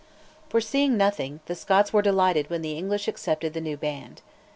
Foreseeing nothing, the Scots were delighted when the English accepted the new band.